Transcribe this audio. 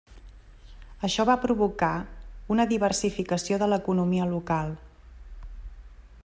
Això va provocar una diversificació de l'economia local.